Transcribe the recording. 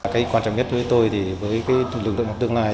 cái quan trọng nhất với tôi thì với lực lượng học tương lai